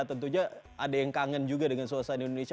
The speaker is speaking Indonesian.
tentunya ada yang kangen juga dengan suasana di indonesia